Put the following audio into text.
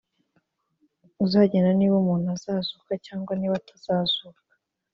uzagena niba umuntu azazuka cyangwa niba atazazuka